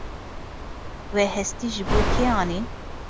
We hestî ji bo kê anîn?